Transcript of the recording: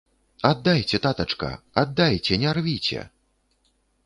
Аддайце, татачка, аддайце, не рвіце!